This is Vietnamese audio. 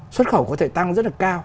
xuất khẩu có thể tăng rất là cao